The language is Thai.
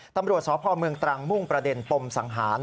ตำรวจสพเมืองตรังมุ่งประเด็นปมสังหาร